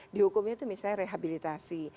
dihukumnya itu misalnya rehabilitasi